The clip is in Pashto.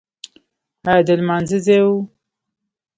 ایا د لمانځه ځای و؟